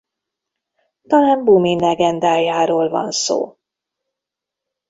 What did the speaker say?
Talán Bumin legendájáról van szó.